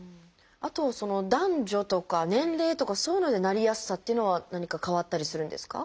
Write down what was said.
あと男女とか年齢とかそういうのでなりやすさっていうのは何か変わったりするんですか？